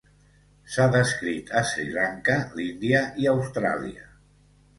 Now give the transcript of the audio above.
S'ha descrit a Sri Lanka, l'Índia i Austràlia.